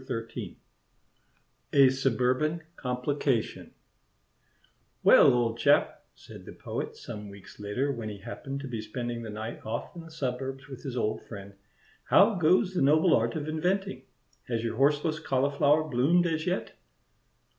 XIII A SUBURBAN COMPLICATION "Well, old chap," said the Poet some weeks later, when he happened to be spending the night off in the suburbs with his old friend, "how goes the noble art of inventing? Has your horseless cauliflower bloomed as yet?"